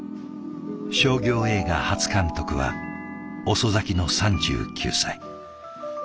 商業映画初監督は遅咲きの３９歳。